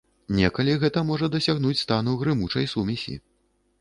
Некалі гэта можа дасягнуць стану грымучай сумесі.